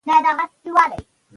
ډاکټران ویلي چې حرکت ضروري دی.